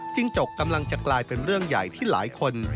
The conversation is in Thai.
จกกำลังจะกลายเป็นเรื่องใหญ่ที่หลายคน